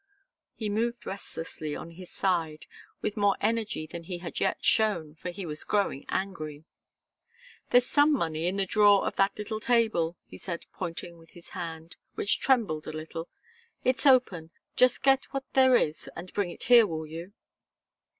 He moved restlessly on his side, with more energy than he had yet shown, for he was growing angry. "There's some money in the drawer of that little table," he said, pointing with his hand, which trembled a little. "It's open just get what there is and bring it here, will you?"